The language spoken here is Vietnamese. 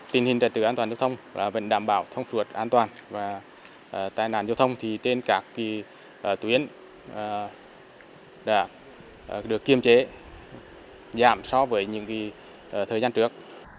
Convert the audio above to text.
tình hình tài tử an toàn giao thông vẫn đảm bảo thông suốt an toàn và tài nạn giao thông thì trên các tuyến đã được kiêm chế giảm so với những thời gian trước